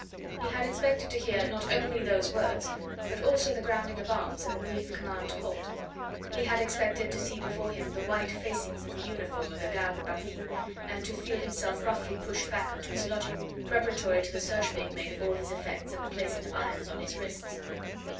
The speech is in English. He had expected to hear not only those words, but also the grounding of arms and the brief command to halt. He had expected to see before him the white facings of the uniform of the Garde de Paris, and to feel himself roughly pushed back into his lodging preparatory to the search being made of all his effects and the placing of irons on his wrists.